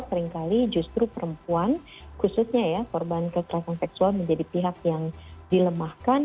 seringkali justru perempuan khususnya ya korban kekerasan seksual menjadi pihak yang dilemahkan